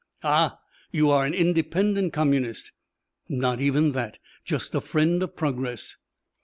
"Ah! You are an independent communist?" "Not even that. Just a friend of progress."